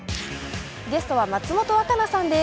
ゲストは松本若菜さんです。